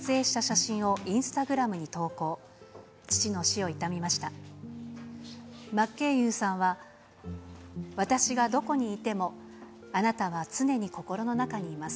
真剣佑さんは私がどこにいてもあなたは常に心の中にいます。